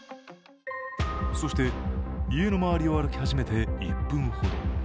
そして家の周りを歩き始めて１分ほど。